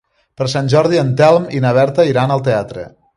Per Sant Jordi en Telm i na Berta iran al teatre.